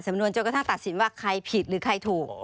สำนวนโจรกระทะตัดสินว่าใครผิดหรือใครถูก